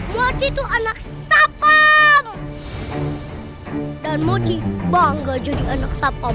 mochi tuh anak sapam dan mochi bangga jadi anak sapam